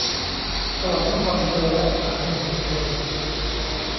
สวรรค์ให้พรเธอและสามีของเธอ !